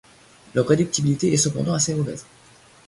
Leur réductibilité est cependant assez mauvaise.